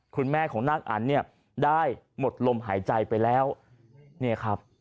คุณแม่ของนางอันเนี่ยได้หมดลมหายใจไปแล้วเนี่ยครับ